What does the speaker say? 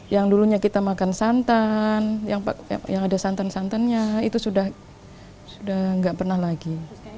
yang dulunya kita makan santan yang ada santan santannya itu sudah nggak pernah lagi